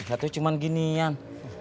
satu cuman ginian